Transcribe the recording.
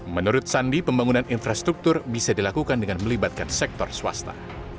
menurut sandi pembangunan infrastruktur bisa dilakukan dengan melibatkan sektor swasta